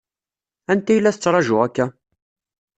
Anta i la tettṛaǧu akka?